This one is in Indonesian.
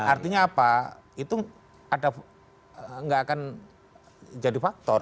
artinya apa itu ada enggak akan jadi faktor